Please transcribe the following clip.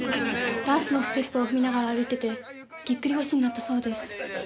ダンスのステップを踏みながら歩いててぎっくり腰になったそうです。